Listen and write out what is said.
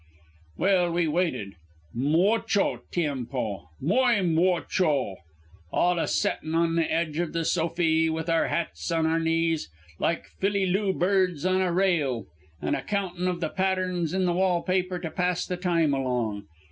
"Well, we waited moucho tiempo muy moucho, all a settin' on the edge of the sofy, with our hats on our knees, like philly loo birds on a rail, and a countin' of the patterns in the wall paper to pass the time along.